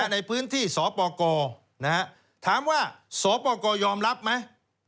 ในพื้นที่สปกถามว่าสปกรยอมรับไหม